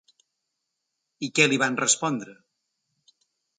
I què li van respondre?